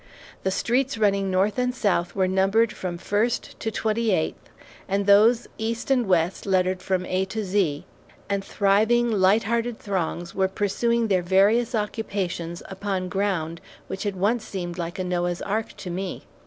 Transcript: The streets running north and south were numbered from first to twenty eighth, and those east and west lettered from A to Z, and thriving, light hearted throngs were pursuing their various occupations upon ground which had once seemed like a Noah's ark to me.